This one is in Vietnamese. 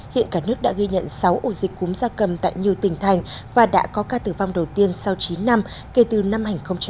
hiện cả nước đã ghi nhận sáu ổ dịch cúm gia cầm tại nhiều tỉnh thành và đã có ca tử vong đầu tiên sau chín năm kể từ năm hai nghìn một mươi ba